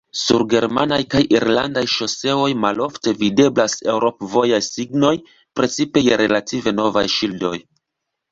Sur germanaj kaj irlandaj ŝoseoj malofte videblas eŭrop-vojaj signoj, precipe je relative novaj ŝildoj.